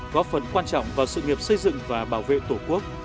góp phần quan trọng vào sự nghiệp xây dựng và bảo vệ tổ quốc